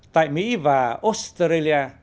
tại mỹ và australia